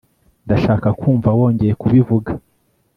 ndashaka kumva wongeye kubivuga